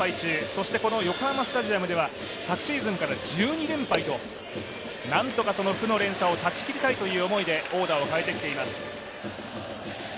そしてこの横浜スタジアムでは、昨シーズンから１２連敗と、何とか負の連鎖を断ち切りたいという思いでオーダーを変えてきています。